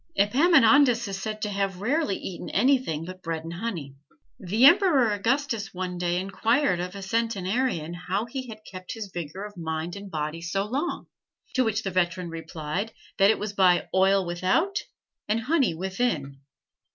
Epaminondas is said to have rarely eaten anything but bread and honey. The Emperor Augustus one day inquired of a centenarian how he had kept his vigor of mind and body so long; to which the veteran replied that it was by "oil without and honey within."